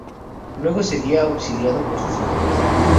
Luego sería auxiliado por sus hombres.